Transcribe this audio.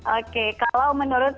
oke kalau menurut